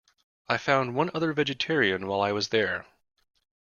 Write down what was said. I found one other vegetarian while I was there.